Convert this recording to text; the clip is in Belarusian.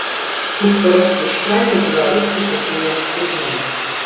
Хуткараспушчальны беларускі партызанскі гумар.